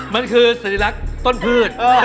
มันคือสัญลักษณ์ต้นพืช